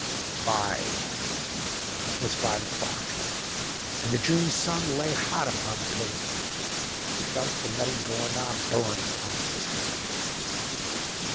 5 It was five o'clock, and the June sun lay hot upon the pavement. He felt the metal door knob burn the palm of his hand.